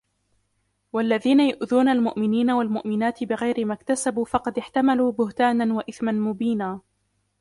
وَالَّذِينَ يُؤْذُونَ الْمُؤْمِنِينَ وَالْمُؤْمِنَاتِ بِغَيْرِ مَا اكْتَسَبُوا فَقَدِ احْتَمَلُوا بُهْتَانًا وَإِثْمًا مُبِينًا